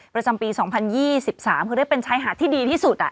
ประจำปี๒๐๒๓คือเรียกเป็นชายหาดที่ดีที่สุด